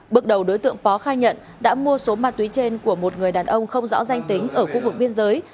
bước đầu đối tượng bó khai nhận đã mua số ma túy trên của một người đàn ông không rõ danh tính ở khu vực biên giới